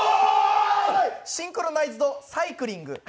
シンクロナイズドサイクリング。